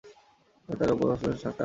ফলে তাদের উপর আমার শান্তি আপতিত হয়।